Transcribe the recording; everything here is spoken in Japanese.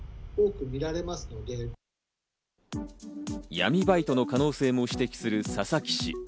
闇バイトの可能性も指摘する佐々木氏。